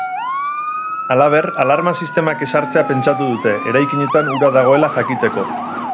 Halaber, alarma sistemak ezartzea pentsatu dute, eraikinetan ura dagoela jakiteko.